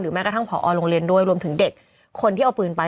แม้กระทั่งผอโรงเรียนด้วยรวมถึงเด็กคนที่เอาปืนไป